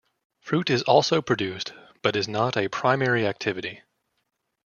Fruit is also produced but is not a primary activity.